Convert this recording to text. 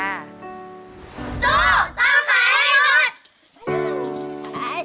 สู้ต้องขายให้หมด